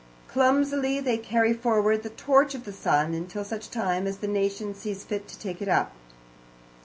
Clumsily they carry forward the torch of the sun, until such time as the nation sees fit to take it up.